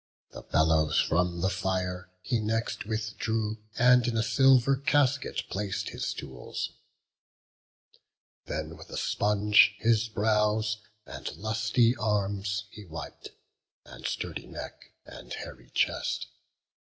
The bellows from the fire he next withdrew, And in a silver casket plac'd his tools; Then with a sponge his brows and lusty arms He wip'd, and sturdy neck and hairy chest.